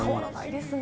ですね。